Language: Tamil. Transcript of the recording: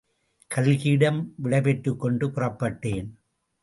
கல்கியிடம் விடைபெற்றுக்கொண்டு புறப்பட்டேன்.